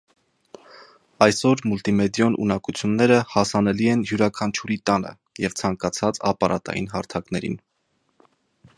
Այսօր մուլտիմեդիոն ունակությունները հասանելի են յուրաքանչյուրի տանը և ցանկացած ապարատային հարթակներին։